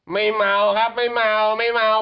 เมาครับไม่เมาไม่เมา